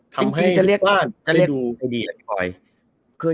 ทำให้ทุกคนได้ดูดีดีกว่าค่ะ